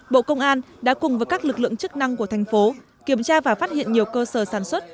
bộ công an đã cùng với các lực lượng chức năng của thành phố kiểm tra và phát hiện nhiều cơ sở sản xuất